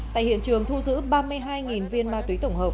tại hiện trường thu giữ ba mươi hai viên ma túy tổng hợp